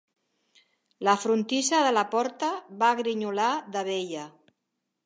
La frontissa de la porta va grinyolar de vella.